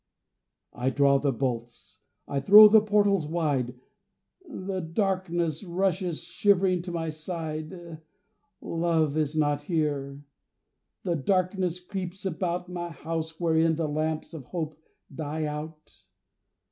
I draw the bolts! I throw the portals wide, The darkness rushes shivering to my side, Love is not here the darkness creeps about My house wherein the lamps of hope die out.